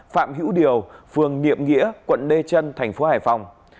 phạm hữu điều phường niệm nghĩa quận lê trân tp hải phòng